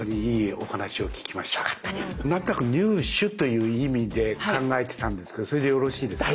何となく入手という意味で考えてたんですけどそれでよろしいですか？